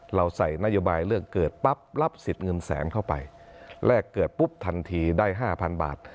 เราใส่นโยบายเรื่องเกิดปั๊บรับสิทธิ์เงินแสนเข้าไปแรกเกิดปุ๊บทันทีได้ห้าพันบาท